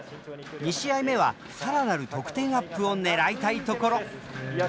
２試合目はさらなる得点アップを狙いたいところ。